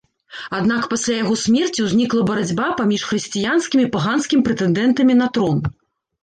Аднак пасля яго смерці ўзнікла барацьба паміж хрысціянскім і паганскім прэтэндэнтамі на трон.